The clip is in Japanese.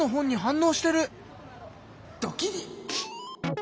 ドキリ。